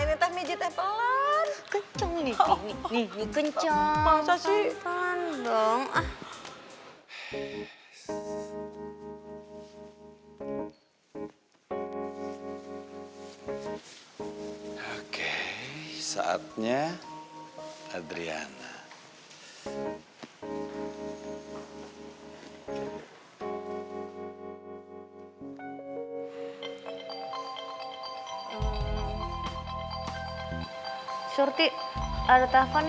gue mau ngobrol dan sekarang